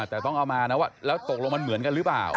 แต่ต้องเอามานะว่าแล้วตกลงมันเหมือนกันหรือเปล่า